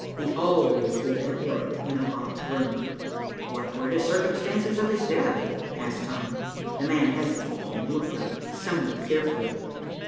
He always did that work in a locked room." "What were the circumstances of his death?" asked Tom. The man hesitated and looked up somewhat fearfully.